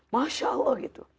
masha allah gitu